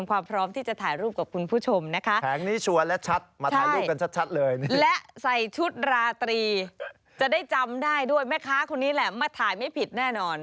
ไม่จำได้ด้วยแม่ค้าคนนี้แหละมาถ่ายไม่ผิดแน่นอน